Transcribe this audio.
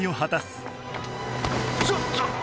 ちょっと！